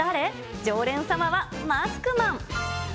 常連様はマスクマン。